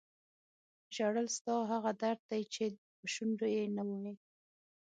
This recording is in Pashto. ژړل ستا هغه درد دی چې په شونډو یې نه وایې.